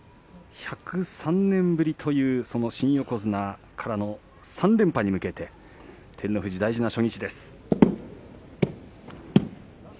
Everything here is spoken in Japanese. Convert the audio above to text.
１０３年ぶりという新横綱からの３連覇に向けて照ノ富士、大事な初日です。